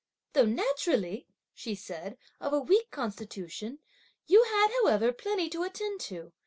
'Though naturally,' she said, 'of a weak constitution, you had, however, plenty to attend to!